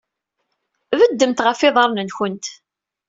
Beddemt ɣef yiḍarren-nwent.